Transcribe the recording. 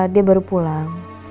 dia baru pulang